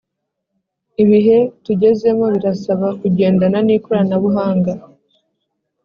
Ibihe tugezemo birasaba kugendana n’ikoranabuhanga